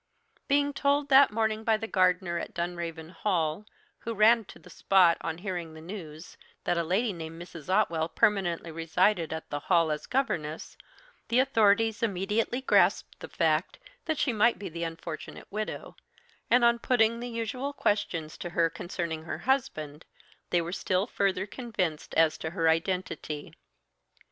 Being told that morning by the gardener at Dunraven Hall, who ran to the spot on hearing the news, that a lady named Mrs. Otwell permanently resided at the Hall as governess, the authorities immediately grasped the fact that she might be the unfortunate widow, and on putting the usual questions to her concerning her husband, they were still further convinced as to her identity.